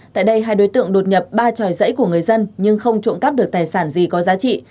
tại đây hai đối tượng đột nhập ba tròi dãy của người dân nhưng không trộm cắp được tài sản gì có giá trị